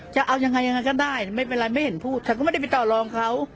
จะเอายังไงยังไงก็ได้ไม่เป็นไรไม่เห็นพูดแต่ก็ไม่ได้ไปต่อรองเขา